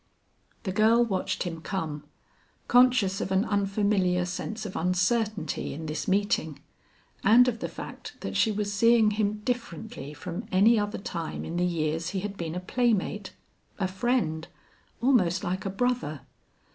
The girl watched him come, conscious of an unfamiliar sense of uncertainty in this meeting, and of the fact that she was seeing him differently from any other time in the years he had been a playmate, a friend, almost like a brother.